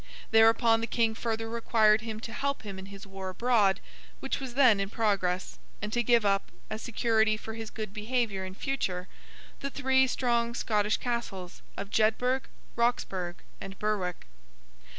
Thereupon, the King further required him to help him in his war abroad (which was then in progress), and to give up, as security for his good behaviour in future, the three strong Scottish Castles of Jedburgh, Roxburgh, and Berwick.